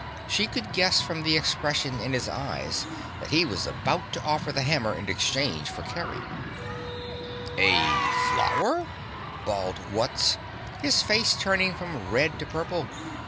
She could guess from the expression in his eye that he was about to offer the hammer in exchange for Kerry. "A flower!" bawled Wutz, his face turning from red to purple.